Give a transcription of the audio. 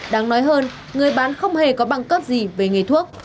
đáng nói hơn người bán không hề có bằng cấp gì về nghề thuốc